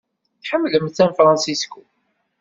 Tḥemmlem San Francisco?